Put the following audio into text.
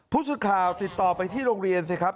ผู้สื่อข่าวติดต่อไปที่โรงเรียนสิครับ